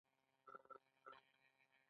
سلمه پوښتنه د کمیسیون د غړو اوصاف دي.